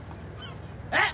えっ！？